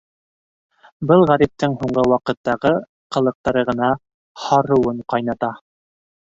Был ғәриптең һуңғы ваҡыттағы ҡылыҡтары ғына һарыуын ҡайната.